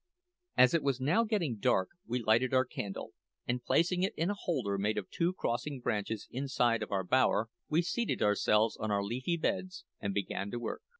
As it was now getting dark we lighted our candle, and placing it in a holder made of two crossing branches inside of our bower, we seated ourselves on our leafy beds and began to work.